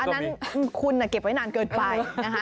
อันนั้นคุณเก็บไว้นานเกินไปนะคะ